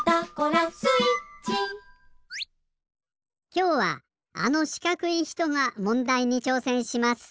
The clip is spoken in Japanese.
きょうはあのしかくいひとがもんだいにちょうせんします。